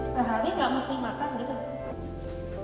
sehari nggak mesti makan gitu